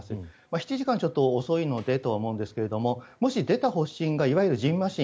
７時間はちょっと遅いのでと思うんですがもし出た発疹がいわゆるじんましん